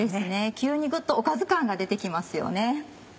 急にグッとおかず感が出て来ますよね。